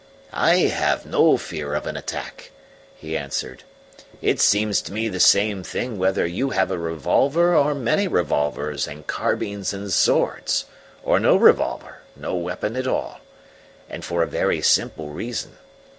"I have no fear of an attack," he answered. "It seems to me the same thing whether you have a revolver or many revolvers and carbines and swords, or no revolver no weapon at all. And for a very simple reason.